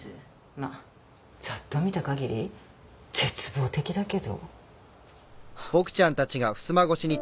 まあざっと見たかぎり絶望的だけど